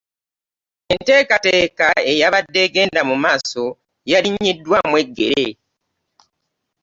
Enteekateeka eyabadde egenda mu maaso yalinnyiddwaamu eggere.